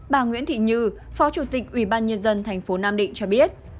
bà nguyễn thị như phó chủ tịch ubnd tp nam định cho biết